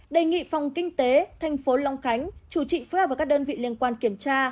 đề nghị phòng kinh tế thành phố long khánh chủ trị phối hợp với các đơn vị liên quan kiểm tra